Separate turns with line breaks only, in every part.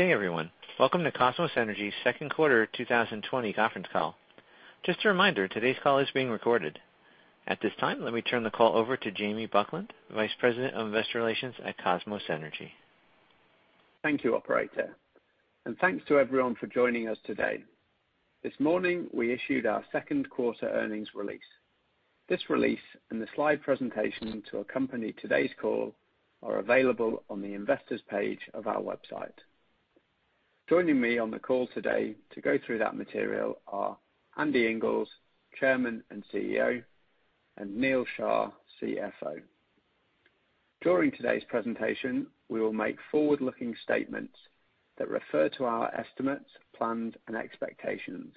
Good day, everyone. Welcome to Kosmos Energy Second Quarter 2020 Conference Call. Just a reminder, today's call is being recorded. At this time, let me turn the call over to Jamie Buckland, Vice President of Investor Relations at Kosmos Energy.
Thank you, operator, and thanks to everyone for joining us today. This morning, we issued our second quarter earnings release. This release, and the slide presentation to accompany today's call, are available on the investors page of our website. Joining me on the call today to go through that material are Andy Inglis, Chairman and CEO, and Neal Shah, CFO. During today's presentation, we will make forward-looking statements that refer to our estimates, plans, and expectations.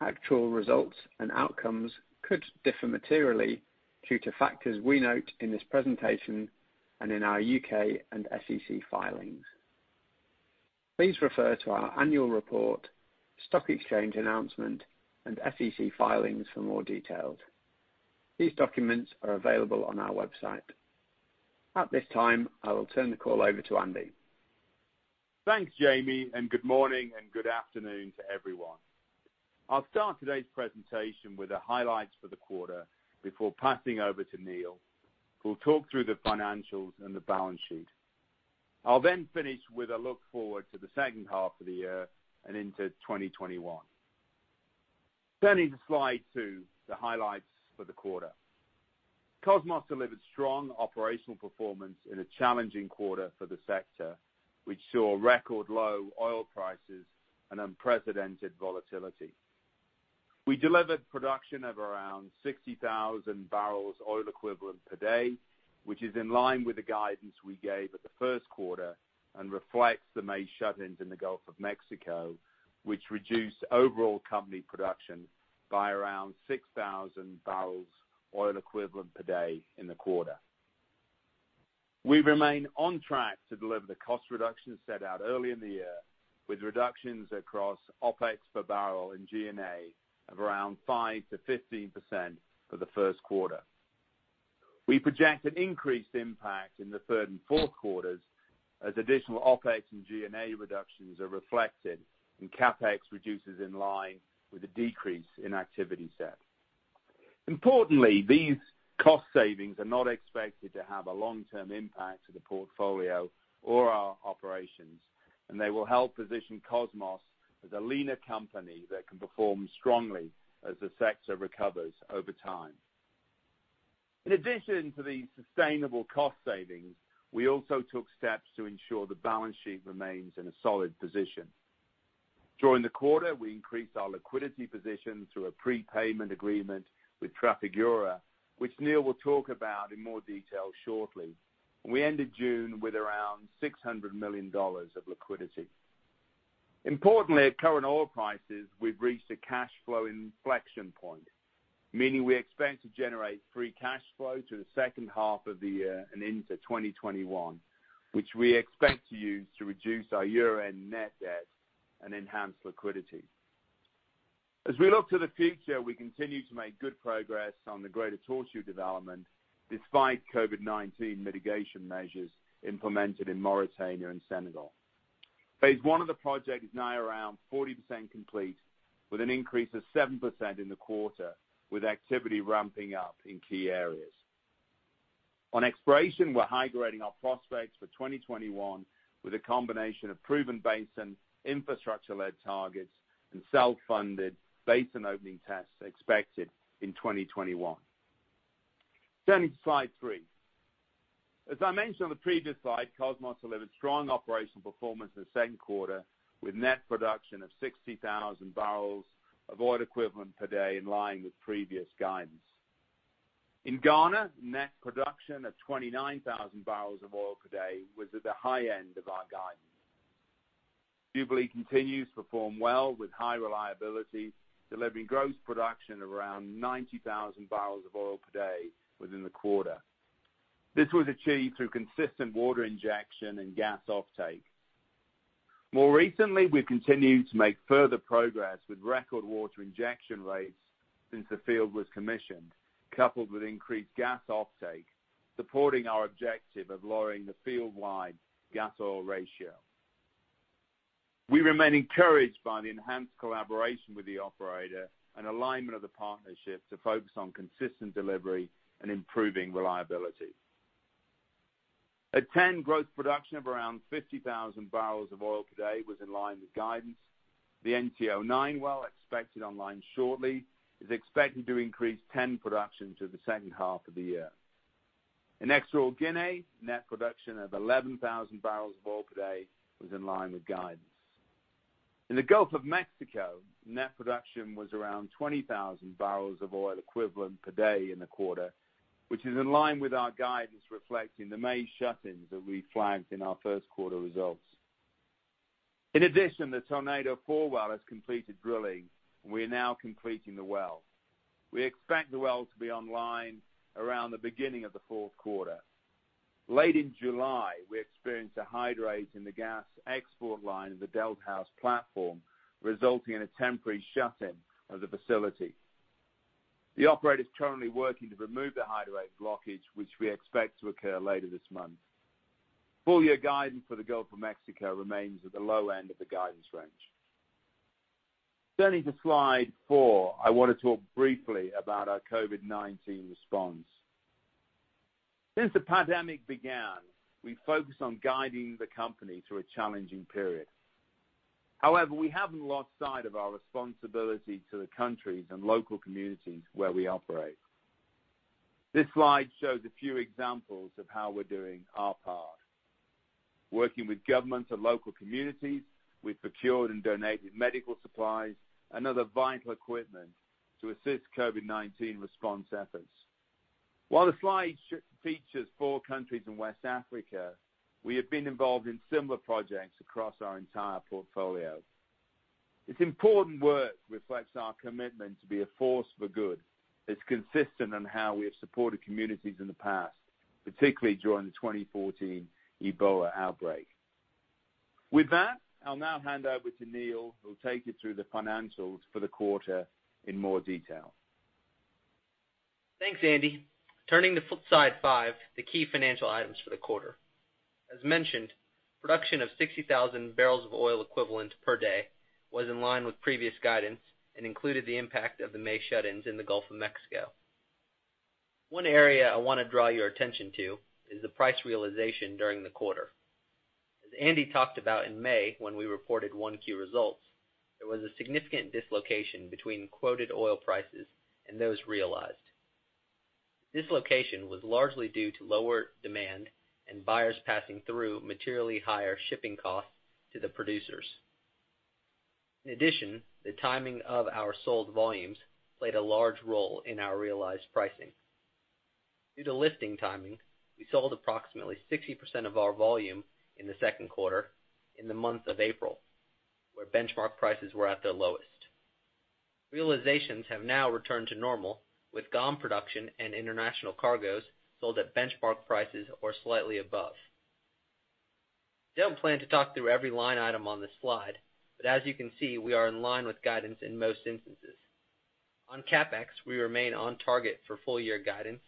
Actual results and outcomes could differ materially due to factors we note in this presentation and in our U.K. and SEC filings. Please refer to our annual report, stock exchange announcement, and SEC filings for more details. These documents are available on our website. At this time, I will turn the call over to Andy.
Thanks, Jamie. Good morning and good afternoon to everyone. I'll start today's presentation with the highlights for the quarter before passing over to Neal, who will talk through the financials and the balance sheet. I'll finish with a look forward to the second half of the year and into 2021. Turning to slide two, the highlights for the quarter. Kosmos delivered strong operational performance in a challenging quarter for the sector, which saw record low oil prices and unprecedented volatility. We delivered production of around 60,000 barrels oil equivalent per day, which is in line with the guidance we gave at the first quarter and reflects the May shut-ins in the Gulf of Mexico, which reduced overall company production by around 6,000 barrels oil equivalent per day in the quarter. We remain on track to deliver the cost reductions set out early in the year, with reductions across OpEx per barrel and G&A of around 5%-15% for the first quarter. We project an increased impact in the third and fourth quarters as additional OpEx and G&A reductions are reflected and CapEx reduces in line with the decrease in activity set. Importantly, these cost savings are not expected to have a long-term impact to the portfolio or our operations, and they will help position Kosmos as a leaner company that can perform strongly as the sector recovers over time. In addition to these sustainable cost savings, we also took steps to ensure the balance sheet remains in a solid position. During the quarter, we increased our liquidity position through a prepayment agreement with Trafigura, which Neal will talk about in more detail shortly. We ended June with around $600 million of liquidity. Importantly, at current oil prices, we've reached a cash flow inflection point, meaning we expect to generate free cash flow through the second half of the year and into 2021, which we expect to use to reduce our year-end net debt and enhance liquidity. As we look to the future, we continue to make good progress on the Greater Tortue development, despite COVID-19 mitigation measures implemented in Mauritania and Senegal. Phase 1 of the project is now around 40% complete, with an increase of 7% in the quarter, with activity ramping up in key areas. On exploration, we're high-grading our prospects for 2021 with a combination of proven basin infrastructure-led targets and self-funded basin opening tests expected in 2021. Turning to slide three. As I mentioned on the previous slide, Kosmos delivered strong operational performance in the second quarter with net production of 60,000 barrels of oil equivalent per day, in line with previous guidance. In Ghana, net production of 29,000 barrels of oil per day was at the high end of our guidance. Jubilee continues to perform well with high reliability, delivering gross production of around 90,000 barrels of oil per day within the quarter. This was achieved through consistent water injection and gas offtake. More recently, we have continued to make further progress with record water injection rates since the field was commissioned, coupled with increased gas offtake, supporting our objective of lowering the field-wide gas oil ratio. We remain encouraged by the enhanced collaboration with the operator and alignment of the partnership to focus on consistent delivery and improving reliability. At TEN, gross production of around 50,000 barrels of oil per day was in line with guidance. The NT-09 well, expected online shortly, is expected to increase TEN production through the second half of the year. In Ecuador, net production of 11,000 barrels of oil per day was in line with guidance. In the Gulf of Mexico, net production was around 20,000 barrels of oil equivalent per day in the quarter, which is in line with our guidance, reflecting the May shut-ins that we flagged in our first quarter results. In addition, the Tornado-4 well has completed drilling. We are now completing the well. We expect the well to be online around the beginning of the fourth quarter. Late in July, we experienced a hydrate in the gas export line of the Delta House platform, resulting in a temporary shut-in of the facility. The operator is currently working to remove the hydrate blockage, which we expect to occur later this month. Full year guidance for the Gulf of Mexico remains at the low end of the guidance range. Turning to slide four, I want to talk briefly about our COVID-19 response. We haven't lost sight of our responsibility to the countries and local communities where we operate. This slide shows a few examples of how we're doing our part. Working with governments and local communities, we've procured and donated medical supplies and other vital equipment to assist COVID-19 response efforts. While the slide features four countries in West Africa, we have been involved in similar projects across our entire portfolio. Its important work reflects our commitment to be a force for good. It's consistent in how we have supported communities in the past, particularly during the 2014 Ebola outbreak. With that, I'll now hand over to Neal, who'll take you through the financials for the quarter in more detail.
Thanks, Andy. Turning to slide five, the key financial items for the quarter. As mentioned, production of 60,000 barrels of oil equivalent per day was in line with previous guidance and included the impact of the May shut-ins in the Gulf of Mexico. One area I want to draw your attention to is the price realization during the quarter. As Andy talked about in May, when we reported Q1 results, there was a significant dislocation between quoted oil prices and those realized. This dislocation was largely due to lower demand and buyers passing through materially higher shipping costs to the producers. In addition, the timing of our sold volumes played a large role in our realized pricing. Due to lifting timing, we sold approximately 60% of our volume in the second quarter in the month of April, where benchmark prices were at their lowest. Realizations have now returned to normal with GOM production and international cargoes sold at benchmark prices or slightly above. I don't plan to talk through every line item on this slide, but as you can see, we are in line with guidance in most instances. On CapEx, we remain on target for full year guidance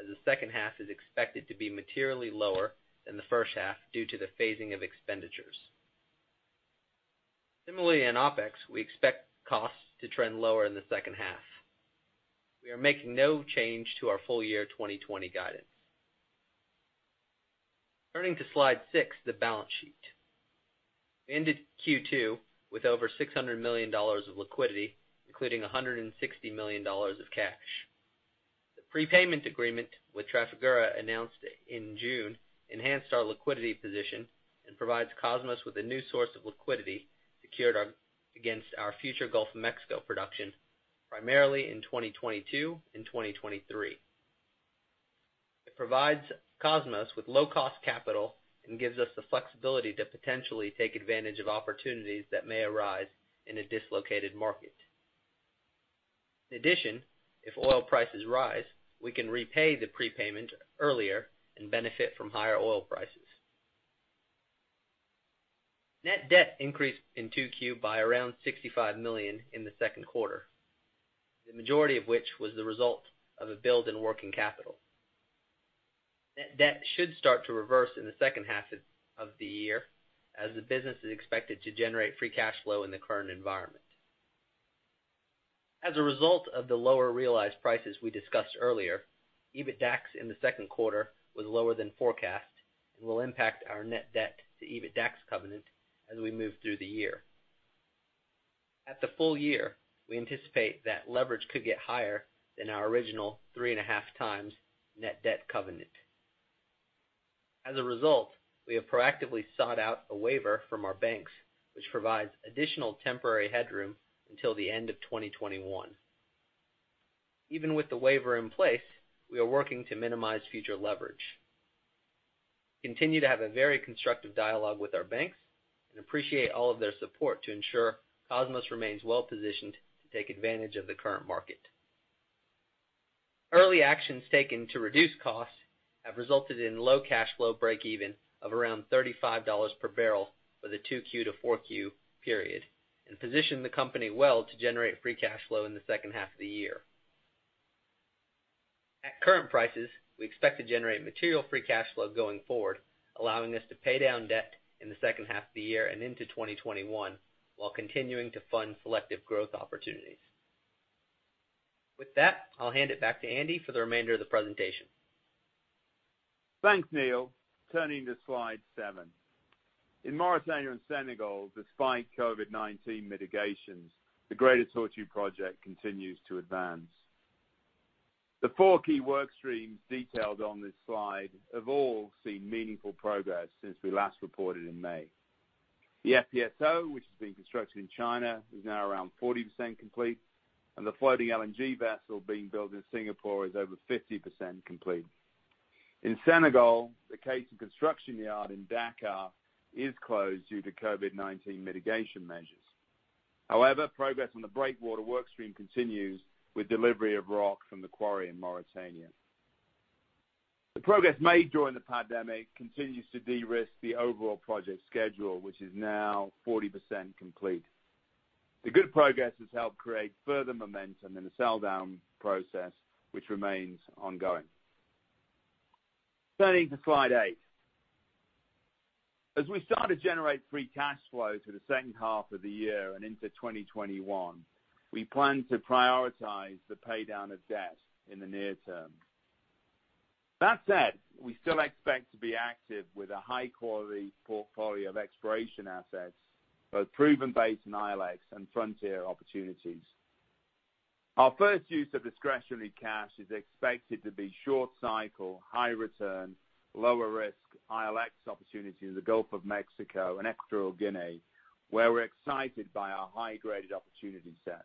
as the second half is expected to be materially lower than the first half due to the phasing of expenditures. Similarly, in OpEx, we expect costs to trend lower in the second half. We are making no change to our full year 2020 guidance. Turning to slide six, the balance sheet. We ended Q2 with over $600 million of liquidity, including $160 million of cash. The prepayment agreement with Trafigura announced in June enhanced our liquidity position and provides Kosmos with a new source of liquidity secured against our future Gulf of Mexico production, primarily in 2022 and 2023. It provides Kosmos with low-cost capital and gives us the flexibility to potentially take advantage of opportunities that may arise in a dislocated market. In addition, if oil prices rise, we can repay the prepayment earlier and benefit from higher oil prices. Net debt increased in 2Q by around $65 million in the second quarter, the majority of which was the result of a build in working capital. Net debt should start to reverse in the second half of the year as the business is expected to generate free cash flow in the current environment. As a result of the lower realized prices we discussed earlier, EBITDAX in the second quarter was lower than forecast and will impact our net debt to EBITDAX covenant as we move through the year. At the full year, we anticipate that leverage could get higher than our original 3.5x net debt covenant. As a result, we have proactively sought out a waiver from our banks, which provides additional temporary headroom until the end of 2021. Even with the waiver in place, we are working to minimize future leverage. We continue to have a very constructive dialogue with our banks and appreciate all of their support to ensure Kosmos remains well-positioned to take advantage of the current market. Early actions taken to reduce costs have resulted in low cash flow break even of around $35 per barrel for the 2Q to 4Q period and position the company well to generate free cash flow in the second half of the year. At current prices, we expect to generate material free cash flow going forward, allowing us to pay down debt in the second half of the year and into 2021, while continuing to fund selective growth opportunities. With that, I'll hand it back to Andy for the remainder of the presentation.
Thanks, Neal. Turning to slide seven. In Mauritania and Senegal, despite COVID-19 mitigations, the Greater Tortue project continues to advance. The four key work streams detailed on this slide have all seen meaningful progress since we last reported in May. The FPSO, which is being constructed in China, is now around 40% complete, and the floating LNG vessel being built in Singapore is over 50% complete. In Senegal, the caisson construction yard in Dakar is closed due to COVID-19 mitigation measures. Progress on the breakwater work stream continues with delivery of rock from the quarry in Mauritania. The progress made during the pandemic continues to de-risk the overall project schedule, which is now 40% complete. The good progress has helped create further momentum in the sell-down process, which remains ongoing. Turning to slide eight. As we start to generate free cash flow through the second half of the year and into 2021, we plan to prioritize the pay-down of debt in the near term. That said, we still expect to be active with a high-quality portfolio of exploration assets, both proven basin ILX and frontier opportunities. Our first use of discretionary cash is expected to be short cycle, high return, lower risk ILX opportunities in the Gulf of Mexico and Equatorial Guinea, where we're excited by our high-graded opportunity set.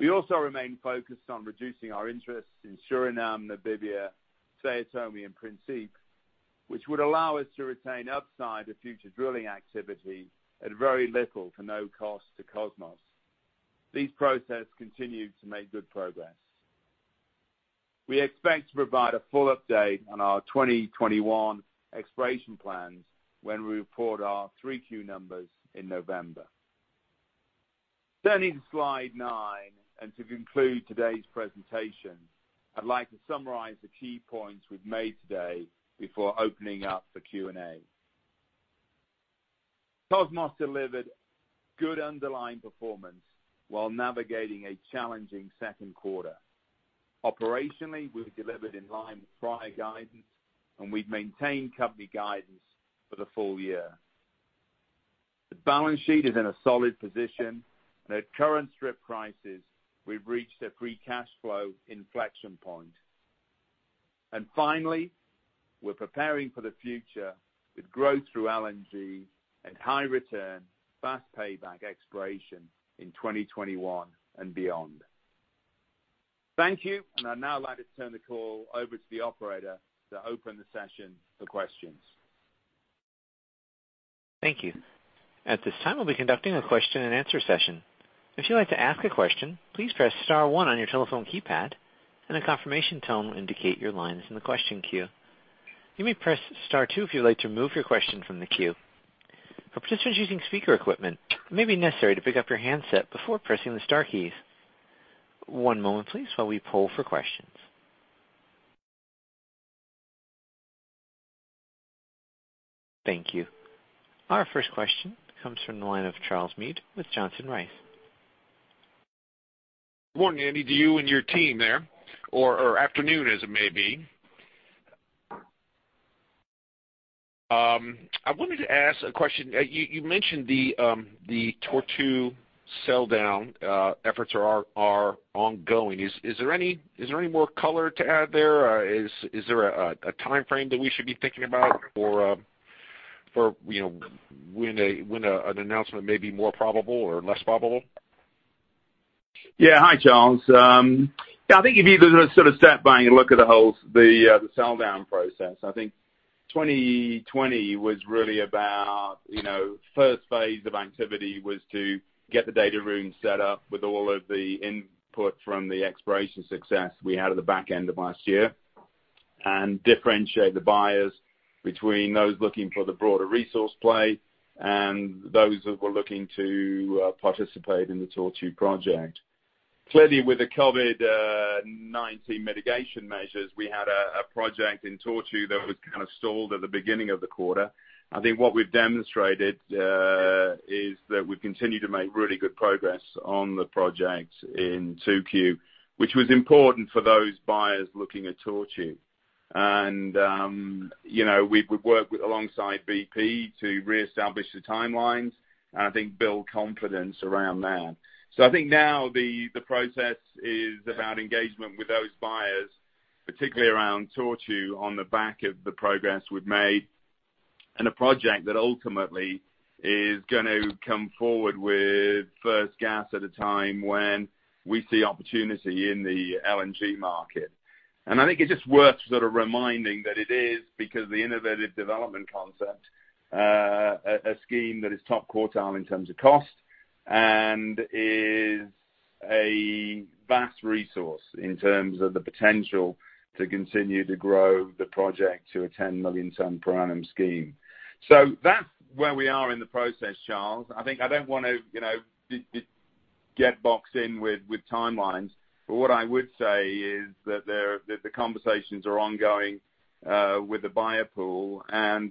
We also remain focused on reducing our interest in Suriname, Namibia, São Tomé and Príncipe, which would allow us to retain upside to future drilling activity at very little to no cost to Kosmos. These process continue to make good progress. We expect to provide a full update on our 2021 exploration plans when we report our 3Q numbers in November. Turning to slide nine and to conclude today's presentation, I'd like to summarize the key points we've made today before opening up for Q&A. Kosmos delivered good underlying performance while navigating a challenging second quarter. Operationally, we've delivered in line with prior guidance, and we've maintained company guidance for the full year. The balance sheet is in a solid position, and at current strip prices, we've reached a free cash flow inflection point. Finally, we're preparing for the future with growth through LNG and high return, fast payback exploration in 2021 and beyond. Thank you. I'd now like to turn the call over to the operator to open the session for questions.
Thank you. At this time, we'll be conducting a question and answer session. If you'd like to ask a question, please press star one on your telephone keypad and a confirmation tone will indicate your line is in the question queue. You may press star two if you'd like to remove your question from the queue. For participants using speaker equipment, it may be necessary to pick up your handset before pressing the star keys. One moment please while we poll for questions. Thank you. Our first question comes from the line of Charles Meade with Johnson Rice.
Good morning to you and your team there, or afternoon, as it may be. I wanted to ask a question. You mentioned the Tortue sell-down efforts are ongoing. Is there any more color to add there? Is there a timeframe that we should be thinking about or when an announcement may be more probable or less probable?
Yeah. Hi, Charles. Yeah, I think if you sort of step back and look at the sell-down process, I think 2020 was really about first phase of activity was to get the data room set up with all of the input from the exploration success we had at the back end of last year, and differentiate the buyers between those looking for the broader resource play and those that were looking to participate in the Tortue project. Clearly, with the COVID-19 mitigation measures, we had a project in Tortue that was kind of stalled at the beginning of the quarter. I think what we've demonstrated is that we've continued to make really good progress on the project in 2Q, which was important for those buyers looking at Tortue. We've worked alongside BP to reestablish the timelines and I think build confidence around that. I think now the process is about engagement with those buyers, particularly around Tortue, on the back of the progress we've made in a project that ultimately is going to come forward with first gas at a time when we see opportunity in the LNG market. I think it's just worth sort of reminding that it is because the innovative development concept, a scheme that is top quartile in terms of cost and is a vast resource in terms of the potential to continue to grow the project to a 10 million ton per annum scheme. That's where we are in the process, Charles. I think I don't want to get boxed in with timelines. What I would say is that the conversations are ongoing with the buyer pool.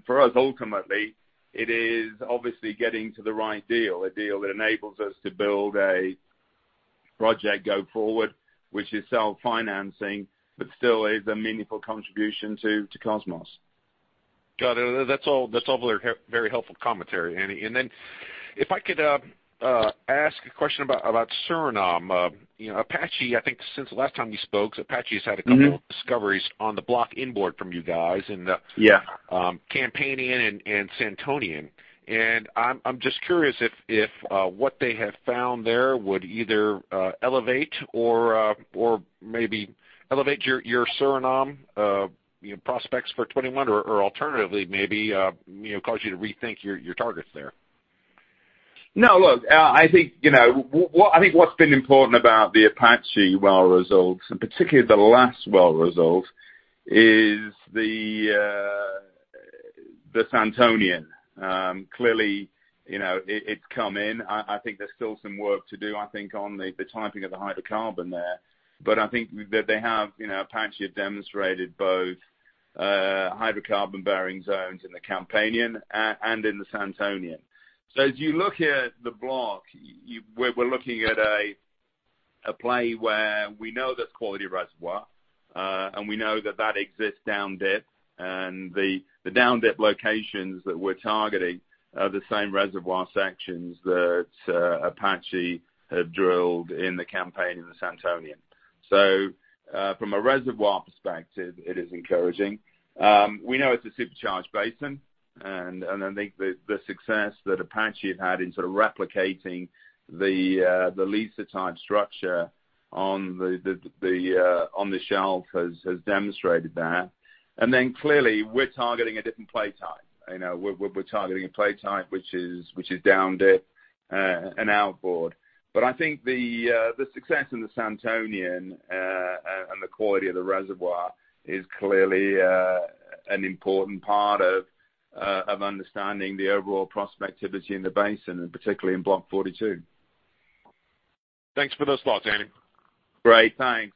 For us, ultimately, it is obviously getting to the right deal, a deal that enables us to build a project go forward, which is self-financing, but still is a meaningful contribution to Kosmos.
Got it. That's all very helpful commentary, Andy. If I could ask a question about Suriname. Apache, I think since the last time we spoke, Apache has had a couple of discoveries on the block inboard from you guys.
Yeah
Campanian and Santonian. I'm just curious if what they have found there would either elevate your Suriname prospects for 2021 or alternatively maybe cause you to rethink your targets there?
Look, I think what's been important about the Apache well results, and particularly the last well result, is the Santonian. Clearly, it's come in. I think there's still some work to do, I think, on the typing of the hydrocarbon there. I think that they have, Apache have demonstrated both hydrocarbon-bearing zones in the Campanian and in the Santonian. As you look at the block, we're looking at a play where we know there's quality reservoir, and we know that exists down dip, and the down dip locations that we're targeting are the same reservoir sections that Apache have drilled in the Campanian and the Santonian. From a reservoir perspective, it is encouraging. We know it's a supercharged basin, and I think the success that Apache has had in sort of replicating the Liza type structure on the shelf has demonstrated that. Clearly, we're targeting a different play type. We're targeting a play type which is down dip and outboard. I think the success in the Santonian, and the quality of the reservoir is clearly an important part of understanding the overall prospectivity in the basin, and particularly in Block 42.
Thanks for those thoughts, Andy.
Great. Thanks.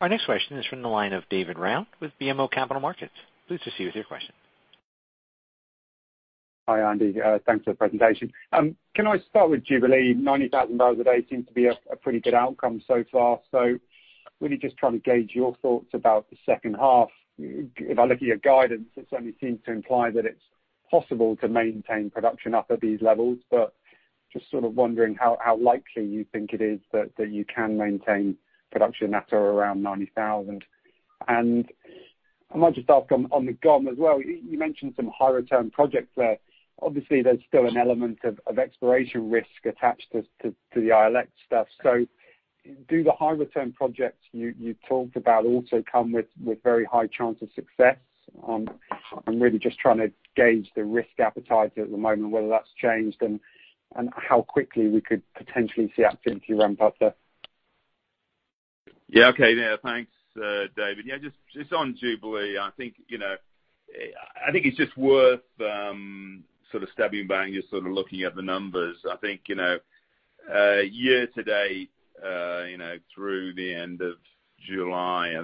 Our next question is from the line of David Round with BMO Capital Markets. Please proceed with your question.
Hi, Andy. Thanks for the presentation. Can I start with Jubilee? 90,000 barrels a day seems to be a pretty good outcome so far. Really just trying to gauge your thoughts about the second half. If I look at your guidance, it certainly seems to imply that it's possible to maintain production up at these levels, but just sort of wondering how likely you think it is that you can maintain production at or around 90,000. I might just ask on the GOM as well, you mentioned some high return projects there. There's still an element of exploration risk attached to the ILX stuff. Do the high return projects you talked about also come with very high chance of success? I'm really just trying to gauge the risk appetite at the moment, whether that's changed and how quickly we could potentially see activity ramp up there.
Okay. Thanks, David. Just on Jubilee, I think it's just worth sort of stepping back, you're sort of looking at the numbers. Year to date, through the end of July,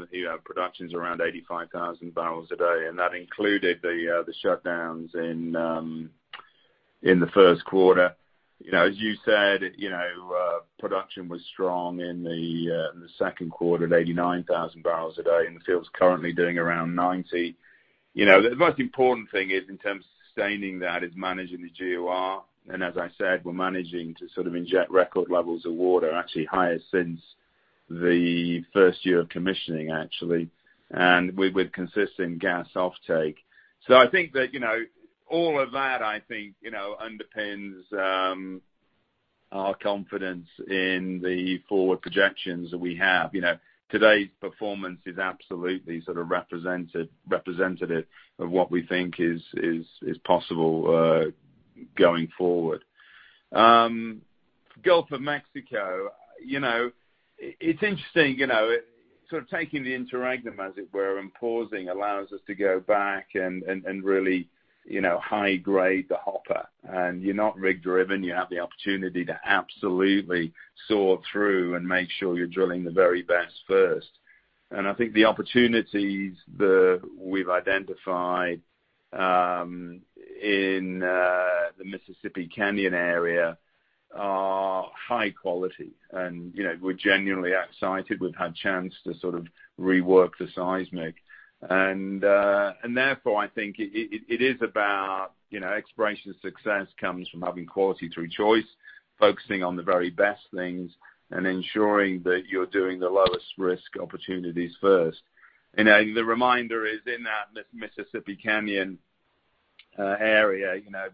production's around 85,000 barrels a day, and that included the shutdowns in the first quarter. As you said, production was strong in the second quarter at 89,000 barrels a day, and the field's currently doing around 90. The most important thing in terms of sustaining that is managing the GOR. As I said, we're managing to sort of inject record levels of water, actually highest since the first year of commissioning, actually. With consistent gas offtake. All of that I think underpins our confidence in the forward projections that we have. Today's performance is absolutely sort of representative of what we think is possible going forward. Gulf of Mexico. It's interesting. Sort of taking the interregnum as it were, and pausing allows us to go back and really high grade the hopper. You're not rig driven. You have the opportunity to absolutely sort through and make sure you're drilling the very best first. I think the opportunities that we've identified in the Mississippi Canyon area are high quality. We're genuinely excited we've had chance to sort of rework the seismic. Therefore, I think it is about exploration success comes from having quality through choice, focusing on the very best things, and ensuring that you're doing the lowest risk opportunities first. The reminder is in that Mississippi Canyon area, the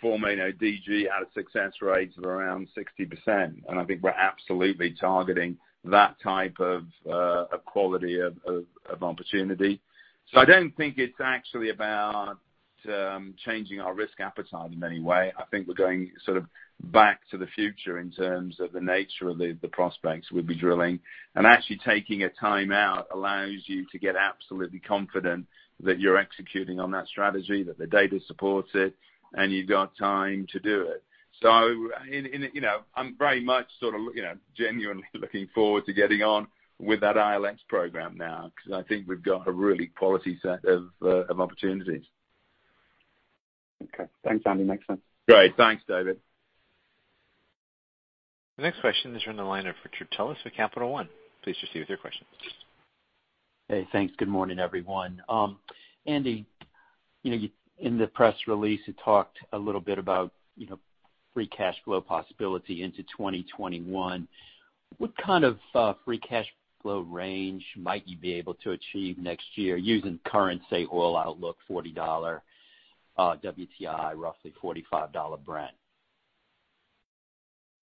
former DGE had success rates of around 60%, and I think we're absolutely targeting that type of quality of opportunity. I don't think it's actually about changing our risk appetite in any way. I think we're going sort of back to the future in terms of the nature of the prospects we'd be drilling. Actually taking a time-out allows you to get absolutely confident that you're executing on that strategy, that the data supports it, and you've got time to do it. I'm very much sort of genuinely looking forward to getting on with that ILX program now because I think we've got a really quality set of opportunities.
Okay. Thanks, Andy. Makes sense.
Great. Thanks, David.
The next question is from the line of Richard Tullis with Capital One. Please proceed with your question.
Hey, thanks. Good morning, everyone. Andy, in the press release, you talked a little bit about free cash flow possibility into 2021. What kind of free cash flow range might you be able to achieve next year using current, say, oil outlook $40 WTI, roughly $45 Brent?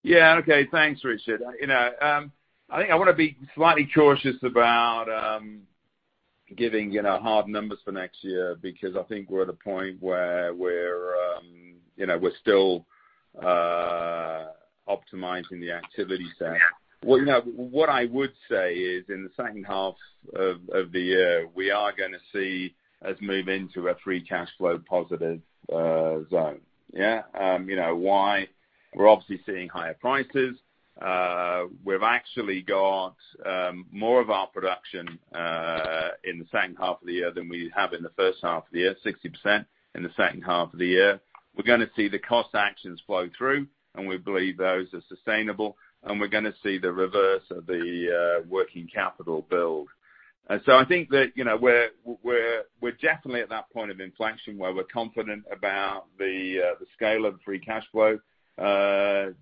Okay. Thanks, Richard. I think I want to be slightly cautious about giving hard numbers for next year, because I think we're at a point where we're still optimizing the activity set. What I would say is in the second half of the year, we are going to see us move into a free cash flow positive zone. You know why? We're obviously seeing higher prices. We've actually got more of our production in the second half of the year than we have in the first half of the year, 60% in the second half of the year. We're going to see the cost actions flow through, and we believe those are sustainable, and we're going to see the reverse of the working capital build. I think that we're definitely at that point of inflection where we're confident about the scale of free cash flow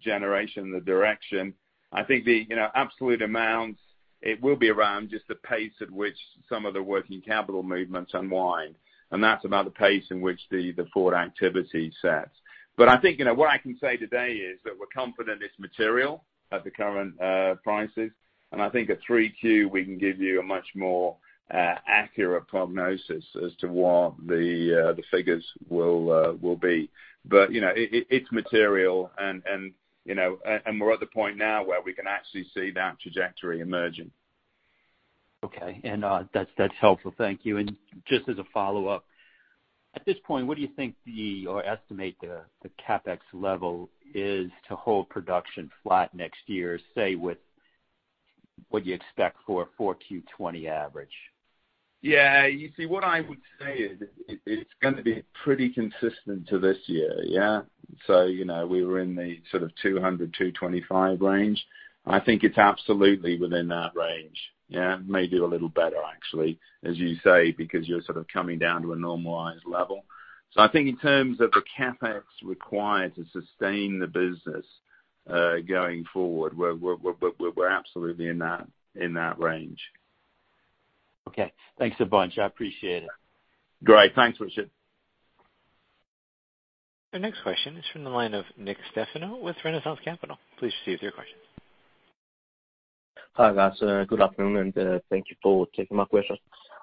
generation, the direction. I think the absolute amounts, it will be around just the pace at which some of the working capital movements unwind, and that's about the pace in which the forward activity sets. I think what I can say today is that we're confident it's material at the current prices, and I think at 3Q, we can give you a much more accurate prognosis as to what the figures will be. It's material and we're at the point now where we can actually see that trajectory emerging.
Okay. That's helpful. Thank you. Just as a follow-up, at this point, what do you think or estimate the CapEx level is to hold production flat next year, say, with what you expect for 4Q 2020 average?
You see, what I would say is it's going to be pretty consistent to this year, yeah. We were in the sort of $200-$225 range. I think it's absolutely within that range. Maybe a little better, actually, as you say, because you're sort of coming down to a normalized level. I think in terms of the CapEx required to sustain the business going forward, we're absolutely in that range.
Okay. Thanks a bunch. I appreciate it.
Great. Thanks, Richard.
Our next question is from the line of Nick Stefanou with Renaissance Capital. Please proceed with your question.
Hi, guys. Good afternoon. Thank you for taking my questions.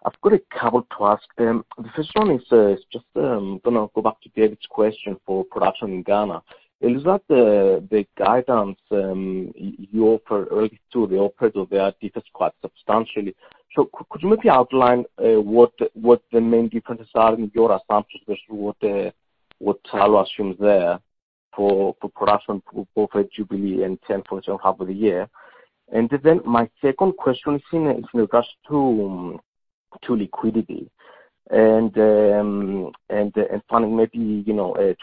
I've got a couple to ask. The first one is just going to go back to David's question for production in Ghana. It looks like the guidance you offer early to the operator there differs quite substantially. Could you maybe outline what the main differences are in your assumptions versus what Tullow assumes there for production, both at Jubilee and TEN fields second half of the year? My second question is in regards to liquidity and planning, maybe,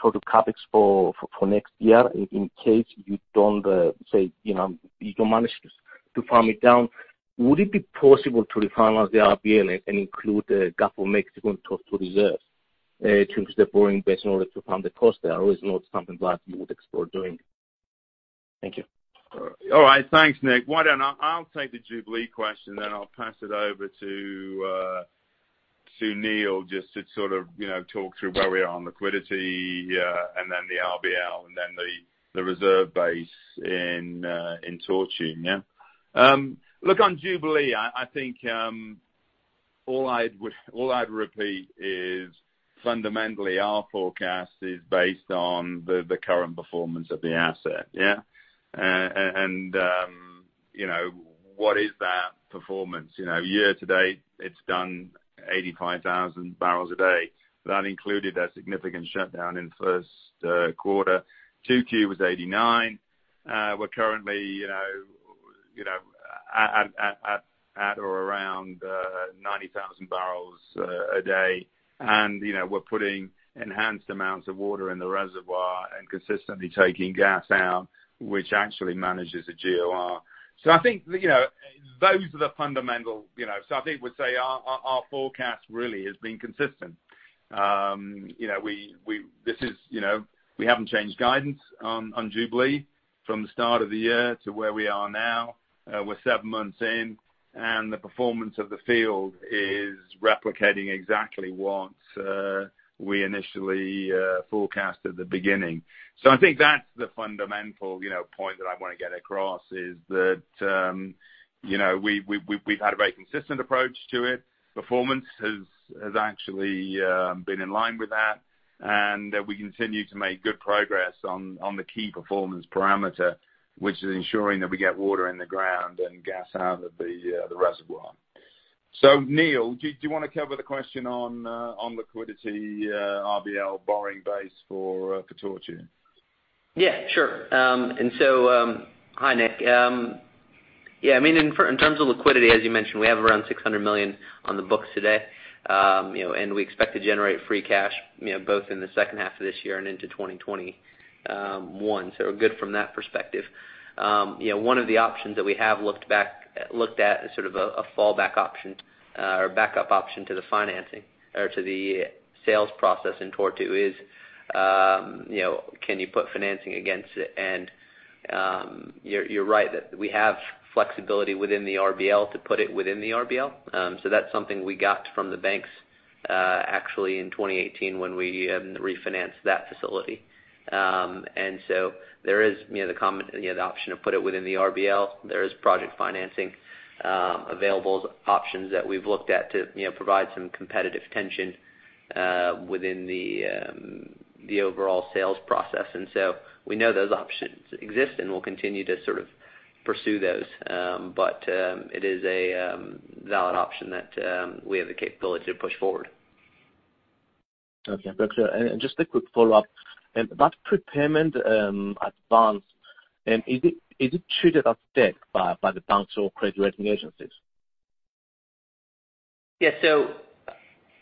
total CapEx for next year in case you don't manage to farm it down. Would it be possible to refinance the RBL and include the Gulf of Mexico total reserves to increase the borrowing base in order to fund the cost there, or is not something that you would explore doing? Thank you.
All right. Thanks, Nick. Why don't I take the Jubilee question, then I'll pass it over to Neal just to sort of talk through where we are on liquidity, and then the RBL, and then the reserve base in Tortue. Look, on Jubilee, I think all I'd repeat is fundamentally our forecast is based on the current performance of the asset. Yeah. What is that performance? Year to date, it's done 85,000 barrels a day. That included a significant shutdown in first quarter. 2Q was 89. We're currently at or around 90,000 barrels a day. We're putting enhanced amounts of water in the reservoir and consistently taking gas out, which actually manages the GOR. I think we'll say our forecast really has been consistent. We haven't changed guidance on Jubilee from the start of the year to where we are now. We're seven months in, the performance of the field is replicating exactly what we initially forecast at the beginning. I think that's the fundamental point that I want to get across is that we've had a very consistent approach to it. Performance has actually been in line with that, and we continue to make good progress on the key performance parameter, which is ensuring that we get water in the ground and gas out of the reservoir. Neal, do you want to cover the question on liquidity, RBL borrowing base for Tortue?
Yeah, sure. Hi, Nick. In terms of liquidity, as you mentioned, we have around $600 million on the books today. We expect to generate free cash both in the second half of this year and into 2021. We're good from that perspective. One of the options that we have looked at as sort of a fallback option or backup option to the financing or to the sales process in Tortue is can you put financing against it? You're right that we have flexibility within the RBL to put it within the RBL. That's something we got from the banks actually in 2018 when we refinanced that facility. There is the option to put it within the RBL. There is project financing available options that we've looked at to provide some competitive tension within the overall sales process. We know those options exist and we'll continue to sort of pursue those. It is a valid option that we have the capability to push forward. Okay. Got you. Just a quick follow-up. That prepayment advance, is it treated as debt by the banks or credit rating agencies? Yeah.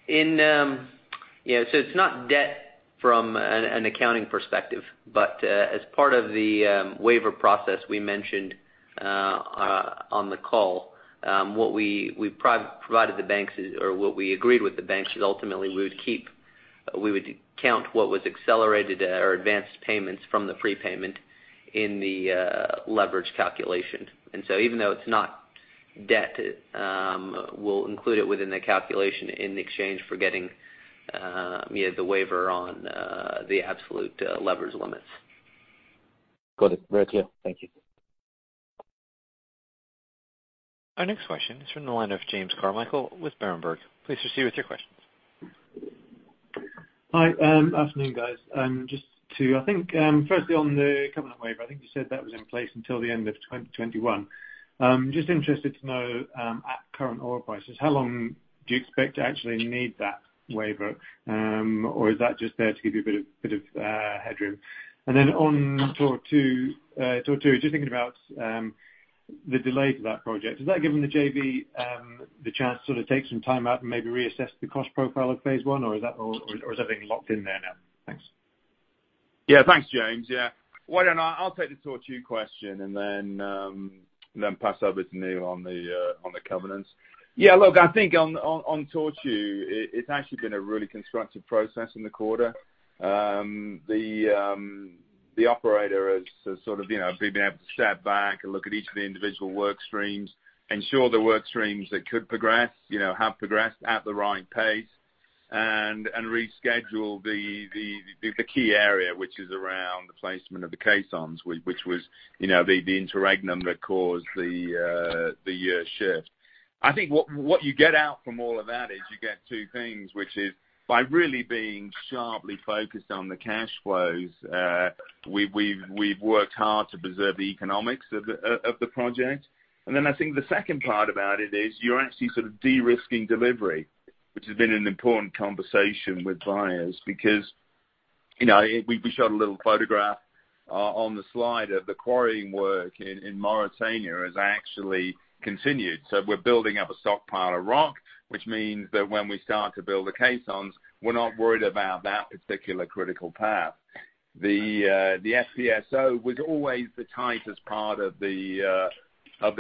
It's not debt from an accounting perspective, but as part of the waiver process we mentioned on the call, what we agreed with the banks is ultimately we would count what was accelerated or advanced payments from the prepayment in the leverage calculation. Even though it's not debt, we'll include it within the calculation in exchange for getting the waiver on the absolute leverage limits.
Got it. Very clear. Thank you.
Our next question is from the line of James Carmichael with Berenberg. Please proceed with your questions.
Hi. Afternoon, guys. Firstly on the covenant waiver, I think you said that was in place until the end of 2021. I'm just interested to know, at current oil prices, how long do you expect to actually need that waiver? Is that just there to give you a bit of headroom? On Tortue, just thinking about the delay to that project. Has that given the JV the chance to sort of take some time out and maybe reassess the cost profile of Phase 1, or is everything locked in there now? Thanks.
Thanks, James. I'll take the Tortue question and then pass over to Neal on the covenants. I think on Tortue, it's actually been a really constructive process in the quarter. The operator has sort of been able to step back and look at each of the individual work streams, ensure the work streams that could progress, have progressed at the right pace, and reschedule the key area, which is around the placement of the caissons, which was the interregnum that caused the shift. I think what you get out from all of that is you get two things, which is by really being sharply focused on the cash flows, we've worked hard to preserve the economics of the project. I think the second part about it is you're actually sort of de-risking delivery, which has been an important conversation with buyers because we showed a little photograph on the slide of the quarrying work in Mauritania has actually continued. We're building up a stockpile of rock, which means that when we start to build the caissons, we're not worried about that particular critical path. The FPSO was always the tightest part of the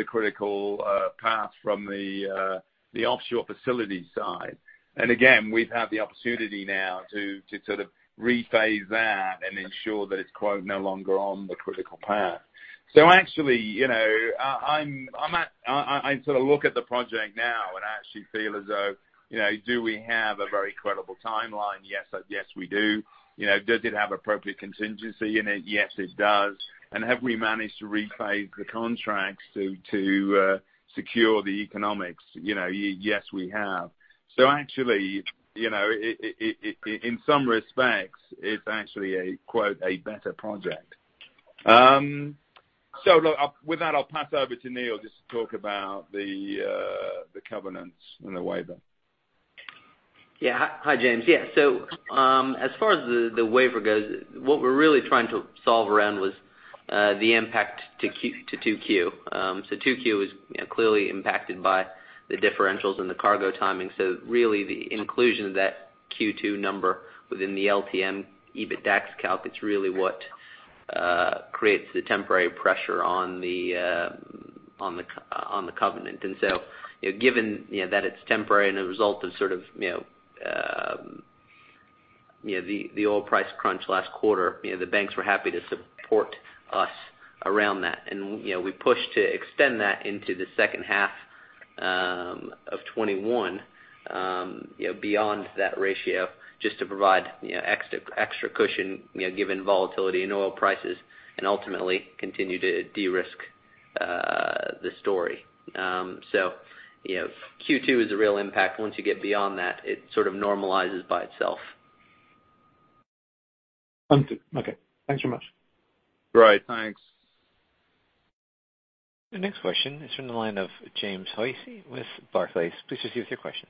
critical path from the offshore facility side. We've had the opportunity now to sort of re-phase that and ensure that it's, quote, "No longer on the critical path." I sort of look at the project now and actually feel as though, do we have a very credible timeline? Yes, we do. Does it have appropriate contingency in it? Yes, it does. Have we managed to re-phase the contracts to secure the economics? Yes, we have. Actually, in some respects, it's actually a, quote, "A better project." Look, with that, I'll pass over to Neal just to talk about the covenants and the waiver.
Yeah. Hi, James. Yeah. As far as the waiver goes, what we're really trying to solve around was the impact to 2Q. 2Q is clearly impacted by the differentials in the cargo timing. Really the inclusion of that Q2 number within the LTM EBITDA calc is really what creates the temporary pressure on the covenant. Given that it's temporary and a result of sort of the oil price crunch last quarter, the banks were happy to support us around that. We pushed to extend that into the second half of 2021, beyond that ratio, just to provide extra cushion, given volatility in oil prices, and ultimately continue to de-risk the story. Q2 is a real impact. Once you get beyond that, it sort of normalizes by itself.
Okay. Thanks very much.
Right. Thanks.
The next question is from the line of James Hosie with Barclays. Please proceed with your question.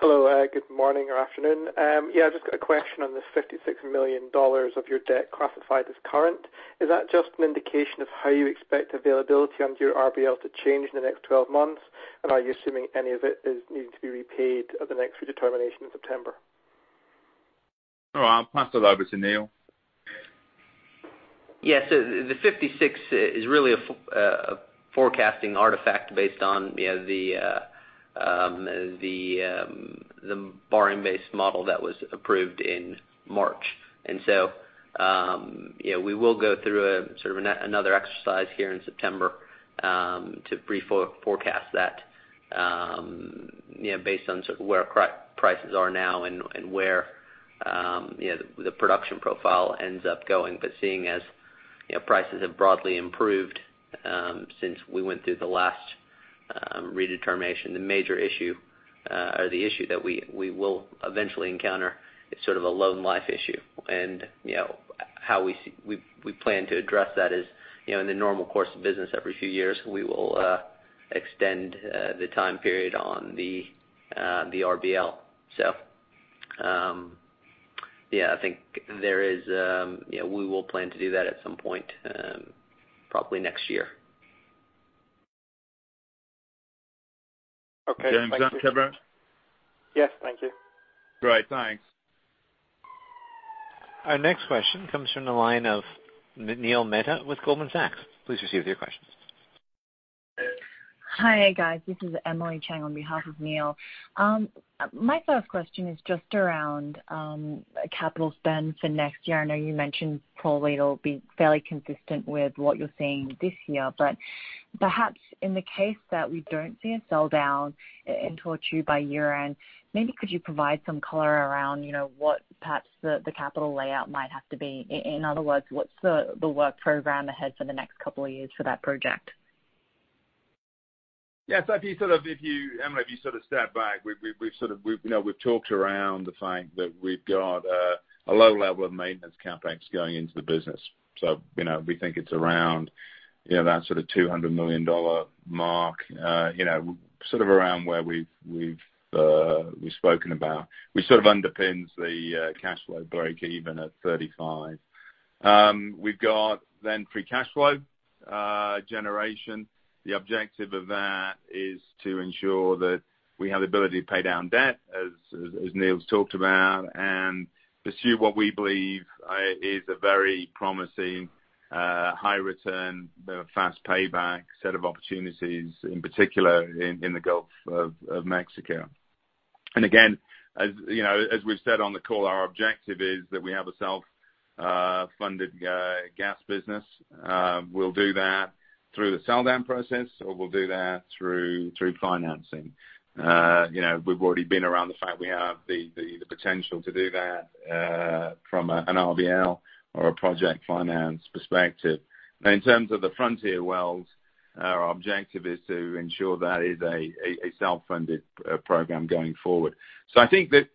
Hello. Good morning or afternoon. Yeah, I've just got a question on this $56 million of your debt classified as current. Is that just an indication of how you expect availability under your RBL to change in the next 12 months? Are you assuming any of it is needing to be repaid at the next redetermination in September?
All right. I'll pass it over to Neal.
Yeah. The $56 is really a forecasting artifact based on the borrowing base model that was approved in March. We will go through sort of another exercise here in September to re-forecast that based on sort of where prices are now and where the production profile ends up going. Seeing as prices have broadly improved since we went through the last redetermination, the issue that we will eventually encounter is sort of a loan life issue. How we plan to address that is in the normal course of business every few years, we will extend the time period on the RBL. I think we will plan to do that at some point, probably next year.
Okay. Thank you.
James on Barclays?
Yes. Thank you.
Right. Thanks.
Our next question comes from the line of Neil Mehta with Goldman Sachs. Please proceed with your questions.
Hi, guys. This is Emily Chieng on behalf of Neil. My first question is just around capital spend for next year. I know you mentioned probably it'll be fairly consistent with what you're seeing this year, but perhaps in the case that we don't see a sell-down in Tortue by year-end, maybe could you provide some color around what perhaps the capital layout might have to be? In other words, what's the work program ahead for the next couple of years for that project?
Emily, if you sort of step back, we've talked around the fact that we've got a low level of maintenance CapEx going into the business. We think it's around that sort of $200 million mark, sort of around where we've spoken about, which sort of underpins the cash flow breakeven at $35. We've got then free cash flow generation. The objective of that is to ensure that we have the ability to pay down debt, as Neal's talked about, and pursue what we believe is a very promising high return, fast payback set of opportunities, in particular in the Gulf of Mexico. Again, as we've said on the call, our objective is that we have a self-funded gas business. We'll do that through the sell-down process, or we'll do that through financing. We've already been around the fact we have the potential to do that from an RBL or a project finance perspective. In terms of the frontier wells, our objective is to ensure that is a self-funded program going forward. I think that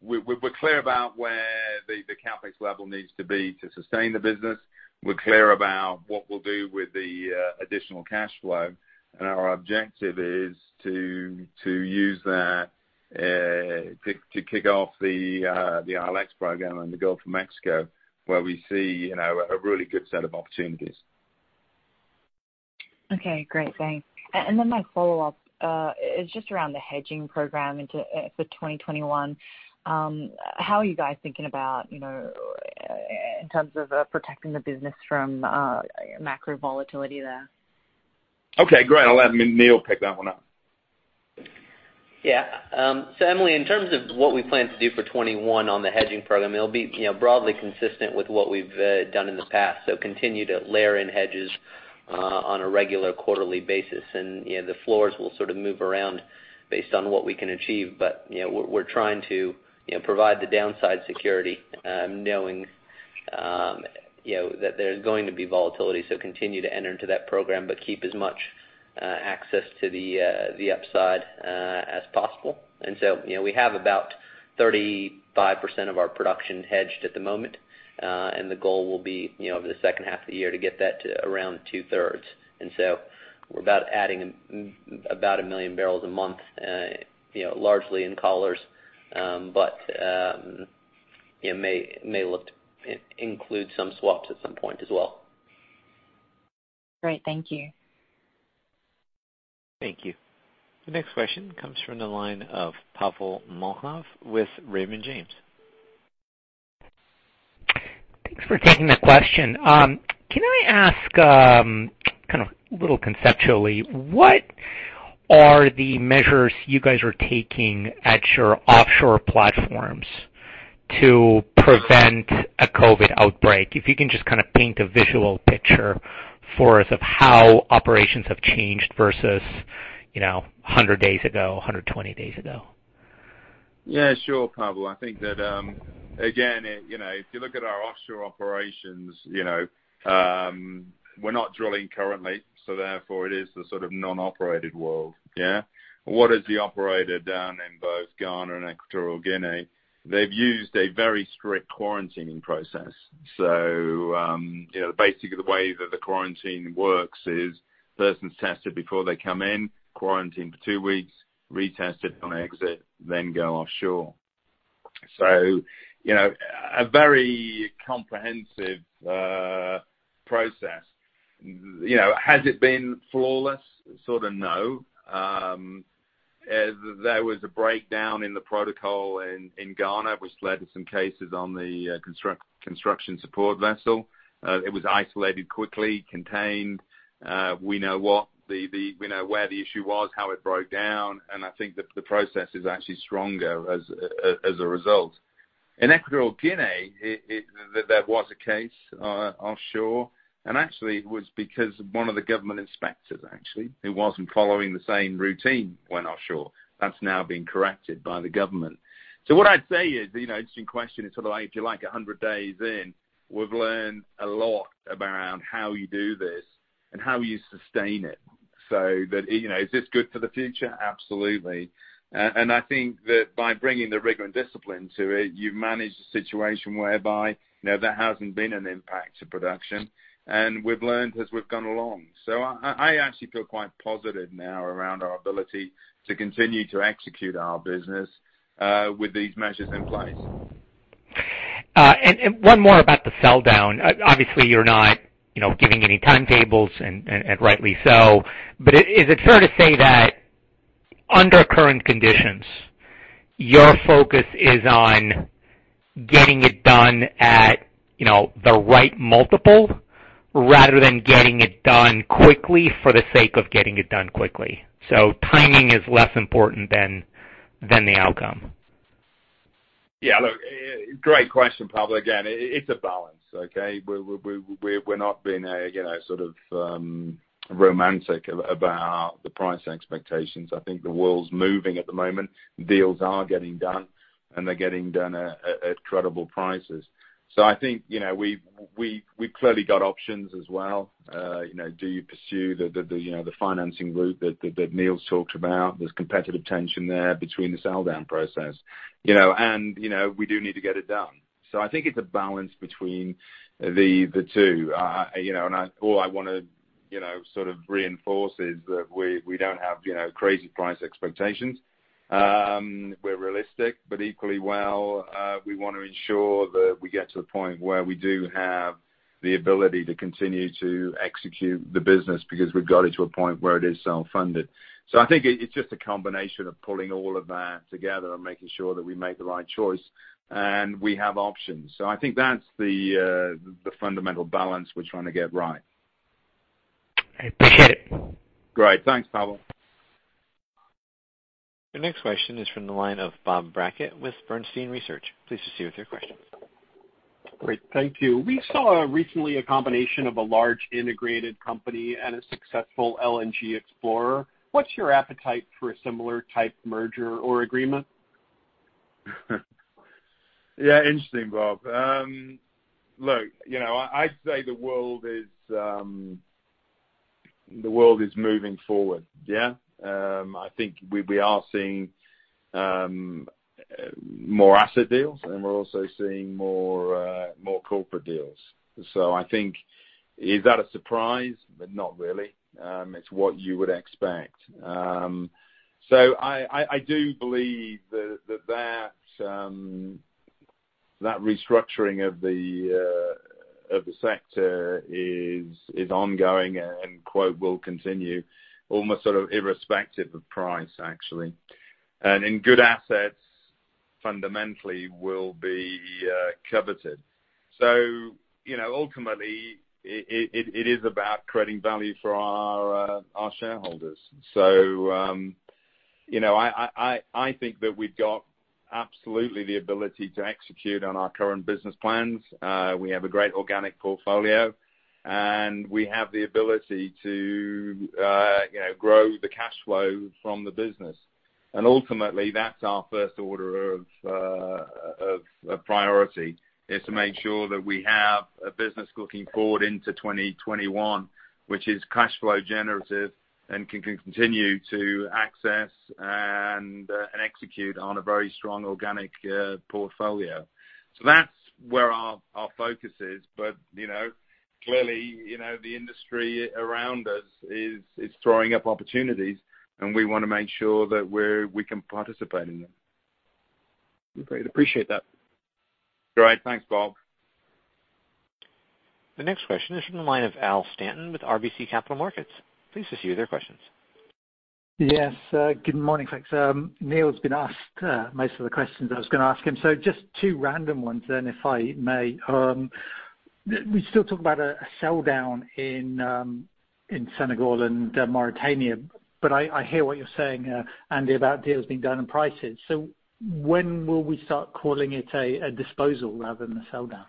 we're clear about where the CapEx level needs to be to sustain the business. We're clear about what we'll do with the additional cash flow. Our objective is to use that to kick off the ILX program in the Gulf of Mexico, where we see a really good set of opportunities.
Okay. Great. Thanks. My follow-up is just around the hedging program for 2021. How are you guys thinking about in terms of protecting the business from macro volatility there?
Okay, great. I'll have Neal pick that one up.
Emily, in terms of what we plan to do for 2021 on the hedging program, it'll be broadly consistent with what we've done in the past. Continue to layer in hedges on a regular quarterly basis. The floors will sort of move around based on what we can achieve. We're trying to provide the downside security knowing that there's going to be volatility. Continue to enter into that program but keep as much access to the upside as possible. We have about 35% of our production hedged at the moment. The goal will be, over the second half of the year, to get that to around 2/3. We're about adding about 1 million barrels a month, largely in collars, but may look to include some swaps at some point as well.
Great. Thank you.
Thank you. The next question comes from the line of Pavel Molchanov with Raymond James.
Thanks for taking the question. Can I ask, kind of a little conceptually, what are the measures you guys are taking at your offshore platforms to prevent a COVID-19 outbreak? If you can just kind of paint a visual picture for us of how operations have changed versus 100 days ago, 120 days ago.
Sure, Pavel. I think that again, if you look at our offshore operations, we're not drilling currently, so therefore it is the sort of non-operated world. What is the operator down in both Ghana and Equatorial Guinea? They've used a very strict quarantining process. Basically the way that the quarantine works is persons tested before they come in, quarantine for two weeks, retested on exit, then go offshore. A very comprehensive process. Has it been flawless? Sort of, no. There was a breakdown in the protocol in Ghana, which led to some cases on the construction support vessel. It was isolated, quickly contained. We know where the issue was, how it broke down, and I think the process is actually stronger as a result. In Equatorial Guinea, there was a case offshore, and actually it was because one of the government inspectors actually, who wasn't following the same routine, went offshore. That's now been corrected by the government. What I'd say is, it's an interesting question. It's sort of like if you're 100 days in, we've learned a lot around how you do this and how you sustain it. Is this good for the future? Absolutely. I think that by bringing the rigor and discipline to it, you manage the situation whereby there hasn't been an impact to production, and we've learned as we've gone along. I actually feel quite positive now around our ability to continue to execute our business with these measures in place.
One more about the sell-down. Obviously, you're not giving any timetables, and rightly so. Is it fair to say that under current conditions, your focus is on getting it done at the right multiple rather than getting it done quickly for the sake of getting it done quickly? Timing is less important than the outcome.
Yeah. Look, great question, Pavel. Again, it's a balance, okay? We're not being sort of romantic about the price expectations. I think the world's moving at the moment. Deals are getting done, and they're getting done at credible prices. I think we've clearly got options as well. Do you pursue the financing route that Neal's talked about? There's competitive tension there between the sell-down process. We do need to get it done. I think it's a balance between the two. All I want to sort of reinforce is that we don't have crazy price expectations. We're realistic, but equally well, we want to ensure that we get to a point where we do have the ability to continue to execute the business because we've got it to a point where it is self-funded. I think it's just a combination of pulling all of that together and making sure that we make the right choice and we have options. I think that's the fundamental balance we're trying to get right.
I appreciate it.
Great. Thanks, Pavel.
The next question is from the line of Bob Brackett with Bernstein Research. Please proceed with your question.
Great. Thank you. We saw recently a combination of a large integrated company and a successful LNG explorer. What's your appetite for a similar type of merger or agreement?
Interesting, Bob. Look, I'd say the world is moving forward, yeah? I think we are seeing more asset deals, and we're also seeing more corporate deals. I think, is that a surprise? Not really. It's what you would expect. I do believe that that restructuring of the sector is ongoing and, quote, will continue almost sort of irrespective of price, actually. In good assets, fundamentally will be coveted. Ultimately, it is about creating value for our shareholders. I think that we've got absolutely the ability to execute on our current business plans. We have a great organic portfolio, and we have the ability to grow the cash flow from the business. Ultimately, that's our first order of priority, is to make sure that we have a business looking forward into 2021, which is cash flow generative and can continue to access and execute on a very strong organic portfolio. That's where our focus is. Clearly, the industry around us is throwing up opportunities, and we want to make sure that we can participate in them.
Great. Appreciate that.
Great. Thanks, Bob.
The next question is from the line of Al Stanton with RBC Capital Markets. Please proceed with your questions.
Yes. Good morning, folks. Neal's been asked most of the questions I was going to ask him. Just two random ones then, if I may. We still talk about a sell-down in Senegal and Mauritania, but I hear what you're saying, Andy, about deals being done on prices. When will we start calling it a disposal rather than a sell-down?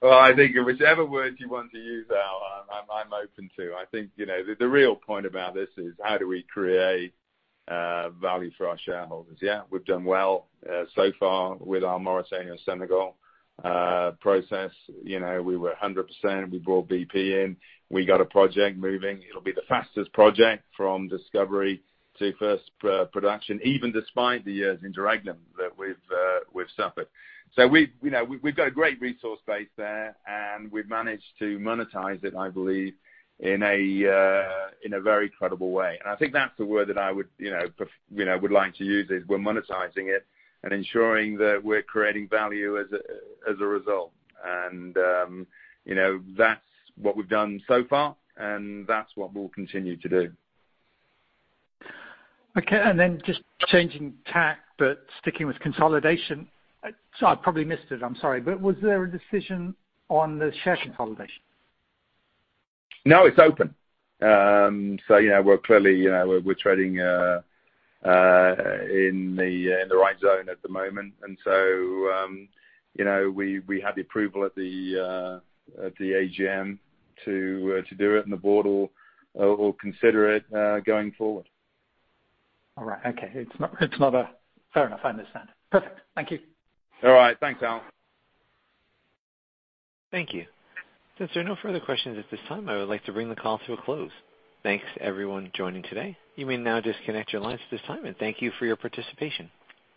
Well, I think whichever words you want to use, Al, I'm open to. I think the real point about this is how do we create value for our shareholders, yeah? We've done well so far with our Mauritania Senegal process. We were 100%, we brought BP in, we got a project moving. It'll be the fastest project from discovery to first production, even despite the years in dragnet that we've suffered. We've got a great resource base there, and we've managed to monetize it, I believe, in a very credible way. I think that's the word that I would like to use, is we're monetizing it and ensuring that we're creating value as a result. That's what we've done so far, and that's what we'll continue to do.
Okay. Just changing tack, but sticking with consolidation. I probably missed it, I'm sorry, but was there a decision on the share consolidation?
No, it's open. We're clearly treading in the right zone at the moment. We had the approval at the AGM to do it, and the board will consider it going forward.
All right. Okay. Fair enough. I understand. Perfect. Thank you.
All right. Thanks, Al.
Thank you. Since there are no further questions at this time, I would like to bring the call to a close. Thanks, everyone, joining today. You may now disconnect your lines at this time, and thank you for your participation.